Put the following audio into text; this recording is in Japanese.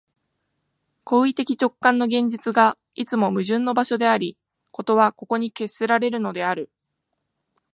行為的直観の現実が、いつも矛盾の場所であり、事はここに決せられるのである。